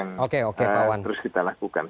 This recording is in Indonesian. nah itulah yang terus kita lakukan